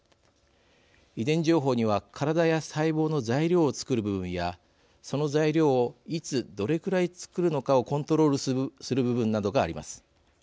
遺伝情報にはからだや細胞の材料を作る部分やその材料をいつどれくらい作るのかをコントロールする部分などがあります。